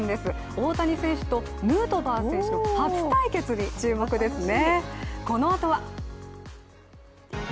大谷選手とヌートバー選手の初対決に注目ですね。